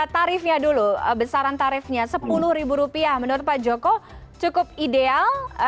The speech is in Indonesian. tarifnya dulu besaran tarifnya rp sepuluh menurut pak joko cukup ideal